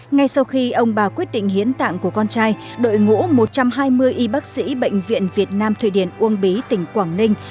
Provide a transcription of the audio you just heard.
ngay sau khi ông bà quyết định hiến tạng của con trai đội ngũ một trăm hai mươi y bác sĩ bệnh viện việt nam thụy điển uông bí tỉnh quảng ninh